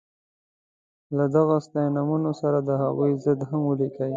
له دغو ستاینومونو سره د هغوی ضد هم ولیکئ.